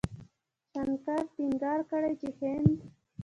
شنکر ټينګار کړی چې هند